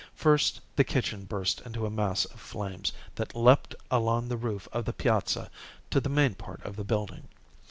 First the kitchen burst into a mass of flames that leaped along the roof of the piazza to the main part of the building.